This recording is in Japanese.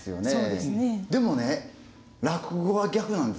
でもね落語は逆なんです。